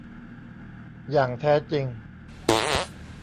อย่างแท้จริง